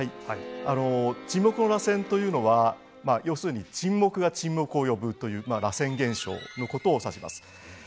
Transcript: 沈黙の螺旋というのは要するに沈黙が沈黙を呼ぶという螺旋現象のことを指します。